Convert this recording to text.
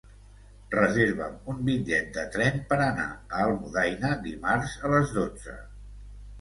Reserva'm un bitllet de tren per anar a Almudaina dimarts a les dotze.